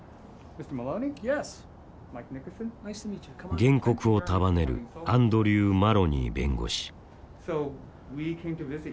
原告を束ねるアンドリュー・マロニー弁護士。